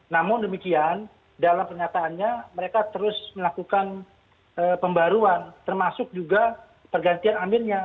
namun demikian dalam pernyataannya mereka terus melakukan pembaruan termasuk juga pergantian aminnya